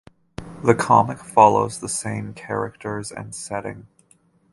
The comic follows the same characters and setting.